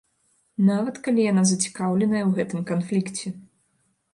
Нават калі яна зацікаўленая ў гэтым канфлікце.